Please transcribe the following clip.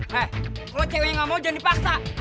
hei lo cewek yang gak mau jangan dipaksa